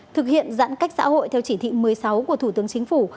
thực hiện giãn cách xã hội theo chỉ thị một mươi sáu của thủ tướng chính phủ